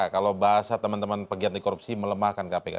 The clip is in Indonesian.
kalau bahasa teman teman peganti korupsi melemahkan kpk